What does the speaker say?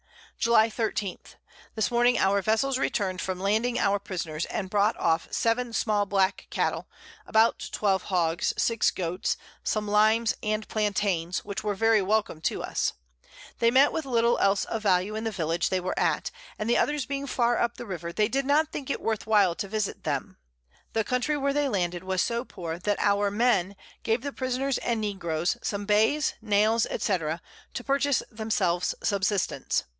July 13. This Morning our Vessels return'd from landing our Prisoners, and brought off 7 small Black Cattle, about 12 Hogs, 6 Goats, some Limes and Plaintains, which were very welcome to us; they met with little else of Value in the Village they were at, and the others being far up the River, they did not think it worth while to visit them. The Country where they landed was so poor, that our Men gave the Prisoners and Negroes, some Bays, Nails, &c. to purchase themselves Subsistance.